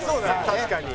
確かに。